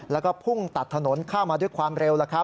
แล้วก็พุ่งตัดถนนเข้ามาด้วยความเร็ว